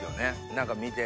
何か見て。